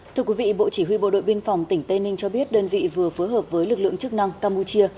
thưa quý vị bộ chỉ huy bộ đội biên phòng tỉnh tây ninh cho biết đơn vị vừa phối hợp với lực lượng chức năng campuchia